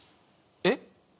えっ？